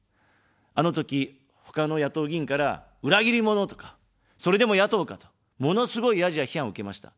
あのとき、ほかの野党議員から裏切り者とか、それでも野党かと、ものすごいヤジや批判を受けました。